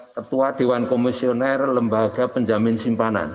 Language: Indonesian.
ketua dewan komisioner lembaga penjamin simpanan